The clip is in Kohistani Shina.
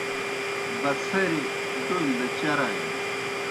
بَڅَھریْ ڈولیْ دہ چرانیْ۔